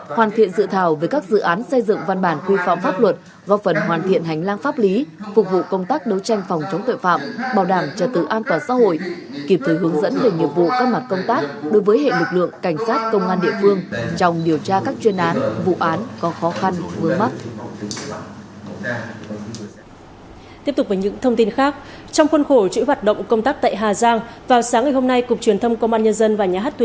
hoàn thiện dự thảo về các dự án xây dựng văn bản quy phạm pháp luật góp phần hoàn thiện hành lang pháp lý phục vụ công tác đấu tranh phòng chống tội phạm bảo đảm trật tự an toàn xã hội kịp thời hướng dẫn về nhiệm vụ các mặt công tác đối với hệ lực lượng cảnh sát công an địa phương trong điều tra các chuyên án vụ án có khó khăn vừa mất